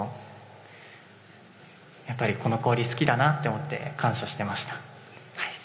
やっぱりこの氷好きだなって思って感謝していました。